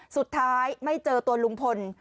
สุดท้ายไม่เจอตัวลุงพล